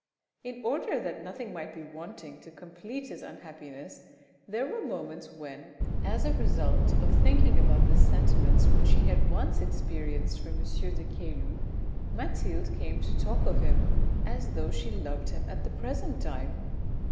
In order that nothing might be wanting to complete his unhappiness there were moments when, as a result of thinking about the sentiments which she had once experienced for M. de Caylus, Mathilde came to talk of him, as though she loved him at the present time.